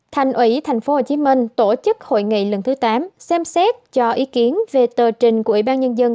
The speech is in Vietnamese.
thành ủy tp hcm tổ chức hội nghị lần thứ tám xem xét cho ý kiến về tờ trình của ủy ban nhân dân